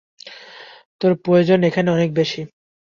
তোর প্রয়োজন এখানে অনেক বেশি।